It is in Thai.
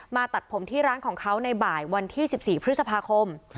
ตัดผมที่ร้านของเขาในบ่ายวันที่๑๔พฤษภาคม